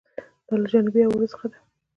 دا له جانبي عوارضو څخه ده.